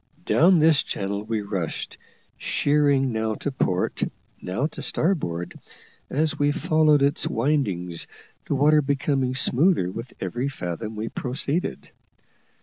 Down this channel we rushed, sheering now to port, now to starboard, as we followed its windings, the water becoming smoother with every fathom we proceeded.